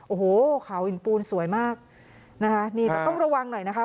โอ้โหเขาหินปูนสวยมากนะคะนี่แต่ต้องระวังหน่อยนะคะ